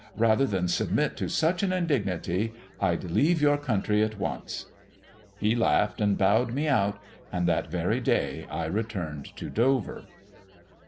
Rather than submit to such an indignity I'd leave your country at once.' "He laughed and bowed me out, and that very day I returned to Dover.